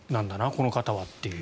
この方はという。